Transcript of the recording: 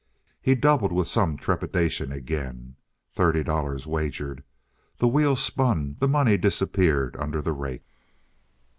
He doubled with some trepidation again. Thirty dollars wagered. The wheel spun the money disappeared under the rake.